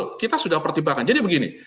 itu kita sudah pertimbangkan jadi begini